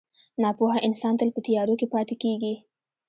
• ناپوهه انسان تل په تیارو کې پاتې کېږي.